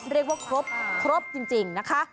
เรียกว่าครบครบจริงนะคะ